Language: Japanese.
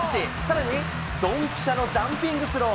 さらにドンピシャのジャンピングスロー。